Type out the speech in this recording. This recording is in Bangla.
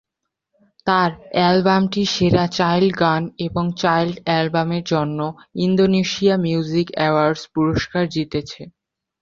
তার অ্যালবামটি সেরা চাইল্ড গান এবং চাইল্ড অ্যালবামের জন্য ইন্দোনেশিয়া মিউজিক অ্যাওয়ার্ডস পুরস্কার জিতেছে।